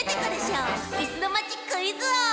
「いすのまちクイズおう」